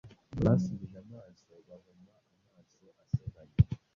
Basubije amaso bahuma amaso asebanya,